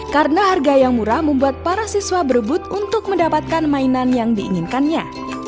karena harga yang murah membuat para siswa berebut untuk mendapatkan mainan yang diinginkannya